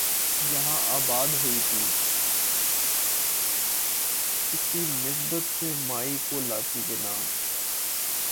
یہاں آباد ہوئی تھی کی نسبت سے مائی کولاچی کے نام سے